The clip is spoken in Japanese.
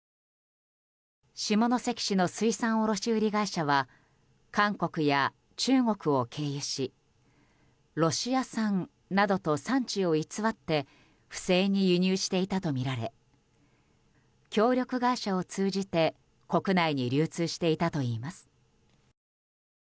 下関の水産卸売会社は韓国や中国を経由しロシア産などと産地を偽って不正に輸入していたとみられ協力会社を通じて国内に流通していたといいます。